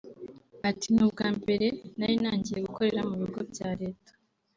Ati “Ni ubwa mbere nari ntagiye gukorera mu bigo bya Leta